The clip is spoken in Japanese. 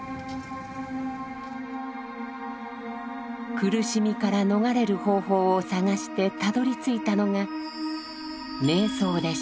苦しみから逃れる方法を探してたどりついたのが「瞑想」でした。